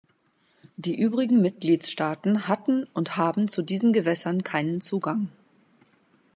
Die übrigen Mitgliedstaaten hatten und haben zu diesen Gewässern keinen Zugang.